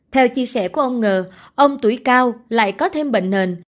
theo chia sẻ của ông ngờ ông tuổi cao lại có thêm bệnh nền